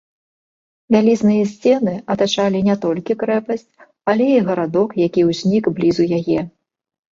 Вялізныя сцены атачалі не толькі крэпасць, але і гарадок, які ўзнік блізу яе.